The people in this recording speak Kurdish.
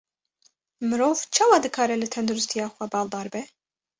Mirov çawa dikare li tenduristiya xwe baldar be?